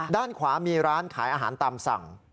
ด้านขวามีร้านขายอาหารตามสั่ง